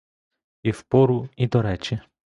І в пору, і до речі.